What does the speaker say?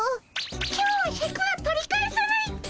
今日はシャクは取り返さないっピ。